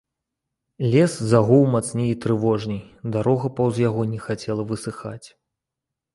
Лес загуў мацней і трывожней, дарога паўз яго не хацела высыхаць.